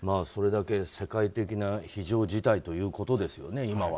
それだけ世界的な非常事態ということですよね。